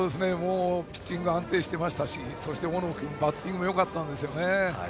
ピッチングが安定して大野君はバッティングもよかったんですね。